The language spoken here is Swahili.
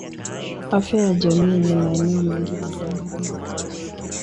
Afya ya jamii yenye maeneo mengi mbalimbali ya kazi.